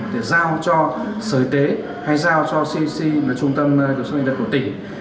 để giao cho sở y tế hay giao cho cec trung tâm cơ sở liên tục của tỉnh